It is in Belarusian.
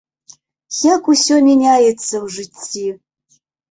Як усё мяняецца ў жыцці!